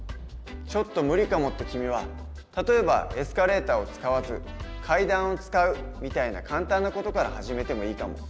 「ちょっと無理かも」って君は例えばエスカレーターを使わず階段を使うみたいな簡単な事から始めてもいいかも。